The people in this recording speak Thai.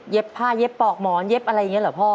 ผ้าเย็บปอกหมอนเย็บอะไรอย่างนี้เหรอพ่อ